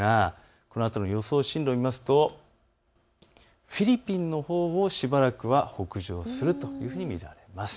このあとの予想進路を見るとフィリピンのほうをしばらくは北上すると見られます。